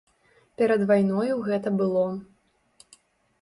Перад вайною гэта было.